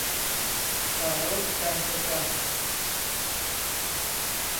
ฝ่ายราชการประจำ